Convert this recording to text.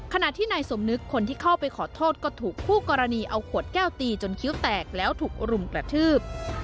ขณะที่นายสมนึกคนที่เข้าไปขอโทษก็ถูกคู่กรณีเอาขวดแก้วตีจนคิ้วแตกแล้วถูกรุมกระทืบ